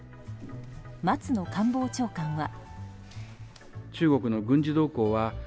松野官房長官は。